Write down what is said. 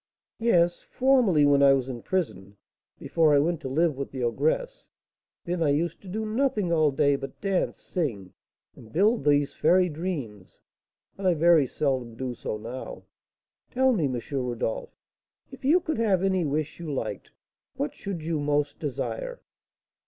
'" "Yes, formerly, when I was in prison, before I went to live with the ogress, then I used to do nothing all day but dance, sing, and build these fairy dreams; but I very seldom do so now. Tell me, M. Rodolph, if you could have any wish you liked, what should you most desire?"